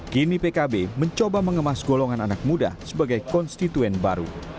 kini pkb mencoba mengemas golongan anak muda sebagai konstituen baru